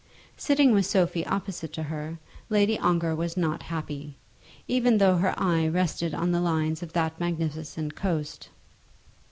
Sitting with Sophie opposite to her, Lady Ongar was not happy, even though her eye rested on the lines of that magnificent coast.